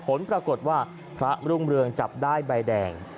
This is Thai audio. ผลปรากฏว่าพระรุ่งเรืองจับได้ใบแดง